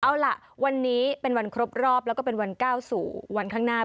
เอาล่ะวันนี้เป็นวันครบรอบแล้วก็เป็นวันก้าวสู่วันข้างหน้า